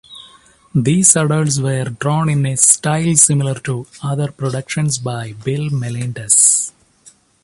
These adults were drawn in a style similar to other productions by Bill Melendez.